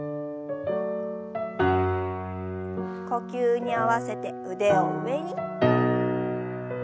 呼吸に合わせて腕を上に。